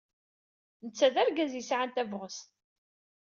Netta d argaz yesɛan tabɣest.